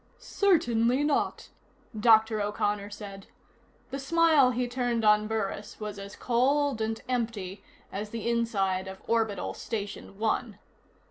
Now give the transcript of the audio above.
"Certainly not," Dr. O'Connor said. The smile he turned on Burris was as cold and empty as the inside of Orbital Station One.